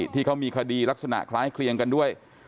ที่เขามีคดีลักษณะคล้ายเคลียงกันด้วย